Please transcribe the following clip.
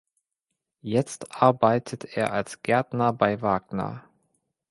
Jetzt arbeitet er als Gärtner bei Wagner.